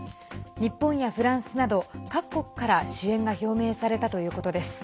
日本やフランスなど各国から支援が表明されたということです。